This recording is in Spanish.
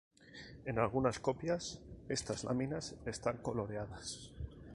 En algunas copias, estas láminas están coloreadas.